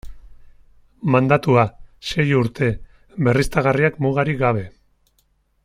Mandatua: sei urte, berriztagarriak mugarik gabe.